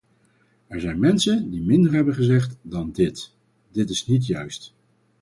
Er zijn mensen die minder hebben gezegd dan dit - dit is niet juist.